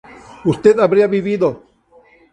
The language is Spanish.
usted habría vivido